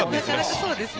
そうですね。